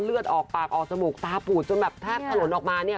เลือดออกปากออกจมูกตาปูดจนแบบแทบถลนออกมาเนี่ย